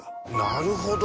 なるほど。